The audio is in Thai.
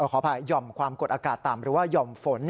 ขออภัยหย่อมความกดอากาศต่ำหรือว่าหย่อมฝน